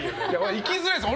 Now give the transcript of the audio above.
行きづらいです。